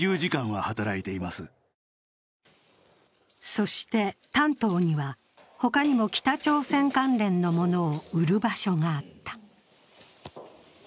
そして丹東には、ほかにも北朝鮮関連のものを売る場所があった。